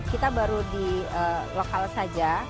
kita baru di lokal saja